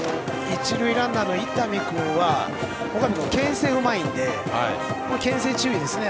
一塁ランナーの伊丹君は岡部君はけん制がうまいのでけん制注意ですね。